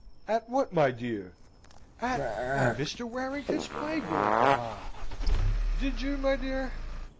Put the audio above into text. "At what, my dear?" "At at Mr. Warrington's play, grandpapa." "Did you, my dear?